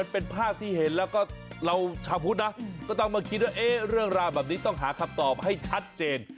เป็นภาพที่เห็นแล้วก็เราชาวพุทธนะก็ต้องมาคิดว่าเรื่องราวแบบนี้ต้องหาคำตอบให้ชัดเจน